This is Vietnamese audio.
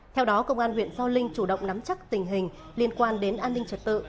theo đó công an huyện gio linh chủ động nắm chắc tình hình liên quan đến an ninh trật tự